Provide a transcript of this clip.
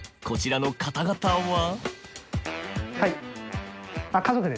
こちらの方々は？